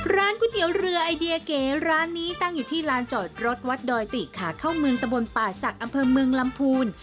ร้านก๋วยเตี๋ยวเรือไอเดียเก๋ร้านนี้ตั้งอยู่ที่ลานจอดรถวัดดอยติขาเข้าเมืองตะบนป่าศักดิ์อำเภอเมืองลำพูน